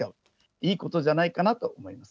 いいことじゃないかなと思います。